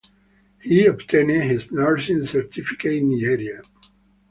He obtained his nursing certificate in Nigeria.